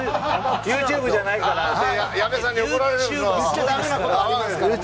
Ｙｏｕｔｕｂｅじゃないからね。